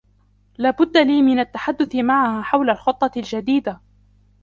لا بد لي من التحدث معها حول الخطة الجديدة.